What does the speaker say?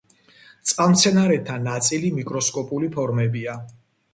წყალმცენარეთა ნაწილი მიკროსკოპული ფორმებია.